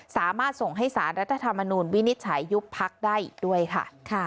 สามารถส่งให้สารรัฐธรรมนูลวินิจฉัยยุบพักได้อีกด้วยค่ะ